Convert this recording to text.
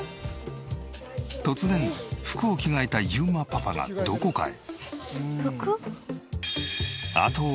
突然服を着替えた裕磨パパがどこかへ。